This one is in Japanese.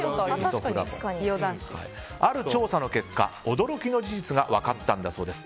ある調査の結果驚きの事実が分かったそうです。